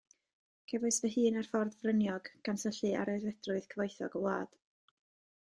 Cefais fy hun ar ffordd fryniog, gan syllu ar aeddfedrwydd cyfoethog y wlad.